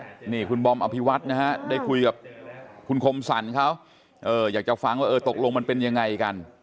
นี่คุณบอมอภิวัฒน์นะฮะได้คุยกับคุณคมสรรเขาอยากจะฟังว่าเออตกลงมันเป็นยังไงกัน